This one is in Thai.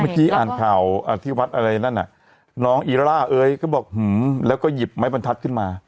อ่านข่าวที่วัดอะไรนั่นน่ะน้องอีล่าร่าเอ้ยก็บอกแล้วก็หยิบไม้บรรทัศน์ขึ้นมา